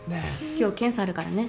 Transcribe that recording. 今日検査あるからね。